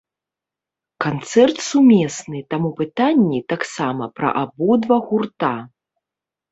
Канцэрт сумесны, таму пытанні таксама пра абодва гурта.